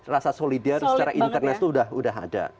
rasa solidar secara internal itu sudah ada